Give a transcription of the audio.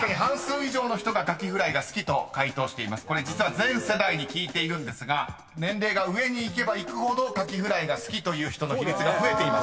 ［これ実は全世代に聞いているんですが年齢が上にいけばいくほどカキフライが好きという人の比率が増えています］